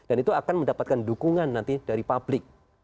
dan itu akan mendapatkan dukungan nanti dari publik